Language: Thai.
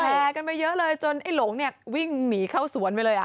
กันไปเยอะเลยจนไอ้หลงเนี่ยวิ่งหนีเข้าสวนไปเลยอ่ะ